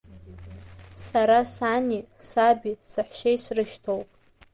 Сара сани, саби, саҳәшьеи срышьҭоуп.